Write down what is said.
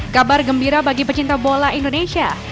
kabar gembira bagi pecinta bola indonesia